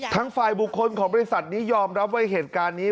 ทางฝ่ายบุคคลของบริษัทนี้ยอมรับว่าเหตุการณ์นี้